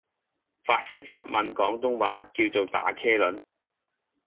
法式濕吻廣東話叫做「打茄輪」